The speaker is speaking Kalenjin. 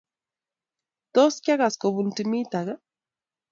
Tos kaigas kopun timit ake?